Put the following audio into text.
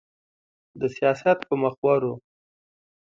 د سياست په مخورو